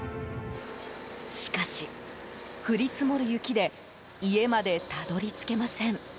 しかし、降り積もる雪で家までたどり着けません。